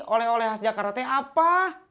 oleh oleh khas jakarta teh apa